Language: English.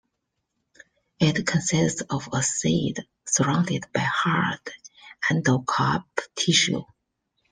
It consists of a seed surrounded by hard endocarp tissue.